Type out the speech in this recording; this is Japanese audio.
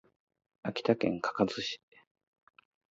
秋田県鹿角市